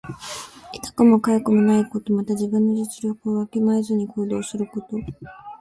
痛くもかゆくもないこと。また、自分の実力をわきまえずに行動すること。